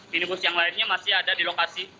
minibus yang lainnya masih ada di lokasi